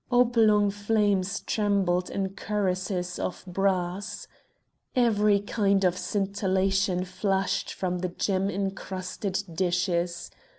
Oblong flames trembled in cuirasses of brass. Every kind of scintillation flashed from the gem incrusted dishes.